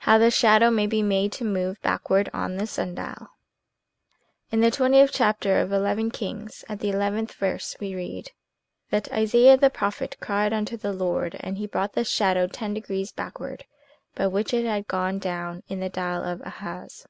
HOW THE SHADOW MAY BE MADE TO MOVE BACKWARD ON THE SUN DIAL N the twentieth chapter of II Kings, at the eleventh verse we read, that "Isaiah the prophet cried unto the Lord, and he brought the shadow ten degrees backward, by which it had gone down in the dial of Ahaz."